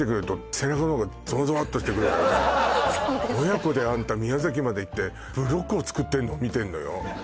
親子でアンタ宮崎まで行ってブロックを作ってんのを見てんのよ